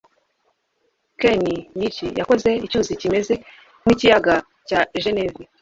ken'nichi yakoze icyuzi kimeze nkikiyaga cya geneve